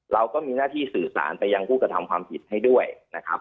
เราก็มีหน้าที่สื่อสารไปยังผู้กระทำความผิดให้ด้วยนะครับ